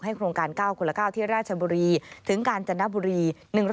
โครงการ๙คนละ๙ที่ราชบุรีถึงกาญจนบุรี